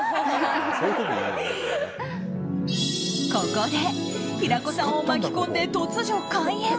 ここで平子さんを巻き込んで突如開演。